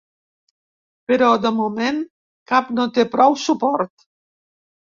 Però, de moment, cap no té prou suport.